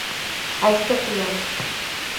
Айста тыят.